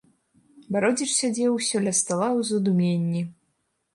Бародзіч сядзеў усё ля стала ў задуменні.